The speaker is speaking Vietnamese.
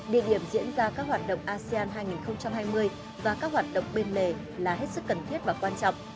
địa điểm diễn ra các hoạt động asean hai nghìn hai mươi và các hoạt động bên lề là hết sức cần thiết và quan trọng